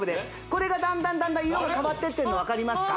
これがだんだんだんだん色が変わってってんの分かりますか？